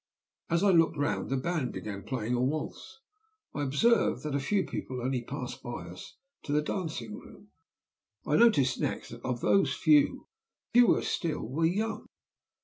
As I looked round the band began playing a waltz. I observed that a few people only passed by us to the dancing room. I noticed next that of those few fewer still were young.